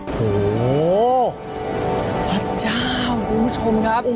โอ้โหพระเจ้าคุณผู้ชมครับ